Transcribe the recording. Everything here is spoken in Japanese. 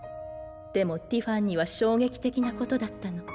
でもティファンには衝撃的なことだったの。